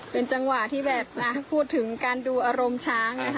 เป็นจังหวะที่แบบพูดถึงการดูอารมณ์ช้าง